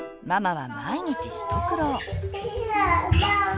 ママは毎日一苦労。